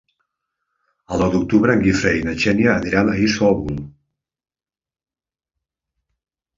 El nou d'octubre en Guifré i na Xènia aniran a Isòvol.